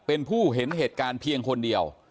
เป็นผู้เห็นเหตุการณ์เพียงคนเดียว